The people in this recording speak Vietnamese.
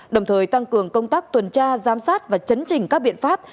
đồng thời tăng cường công tác tuần tra giám sát và chấn trình các biện pháp